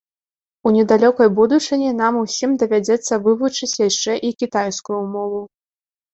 У недалёкай будучыні нам усім давядзецца вывучыць яшчэ і кітайскую мову.